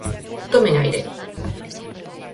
Tomen aire.